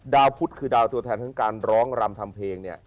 ดาวพุธคือดาวตัวแทนของการร้องรำทำเพลง